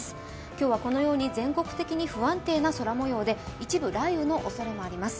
今日はこのように全国的に不安定な空もようで一部、雷雨のおそれもあります。